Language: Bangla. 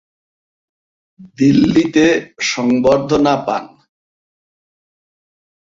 দিল্লিতে সংবর্ধনা পান।